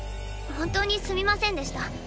本当にすみませんでした。